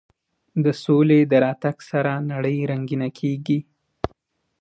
د سولې د راتګ سره نړۍ رنګینه کېږي.